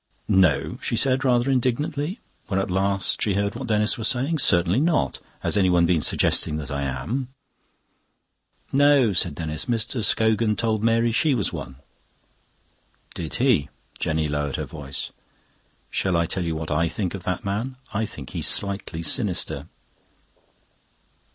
"No," she said, rather indignantly, when at last she heard what Denis was saying. "Certainly not. Has anyone been suggesting that I am?" "No," said Denis. "Mr. Scogan told Mary she was one." "Did he?" Jenny lowered her voice. "Shall I tell you what I think of that man? I think he's slightly sinister."